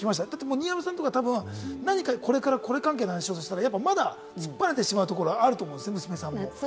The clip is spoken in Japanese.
新山さんとかはたぶん何かこれから、これ関係の話をしようとしたら、また突っぱねてしまうところあると思うんですよね、娘さん。